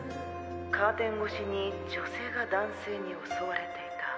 カーテン越しに女性が男性に襲われていた？